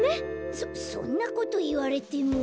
そそんなこといわれても。